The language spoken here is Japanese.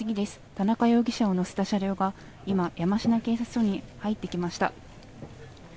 田中容疑者を乗せた車両が今山科警察署に入ってきました。